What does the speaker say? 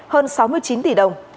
hơn sáu mươi chín tỷ đồng